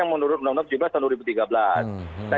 menurut undang undang tujuh belas tahun dua ribu tiga belas